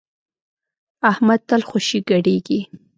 احمد تل خوشی ګډېږي.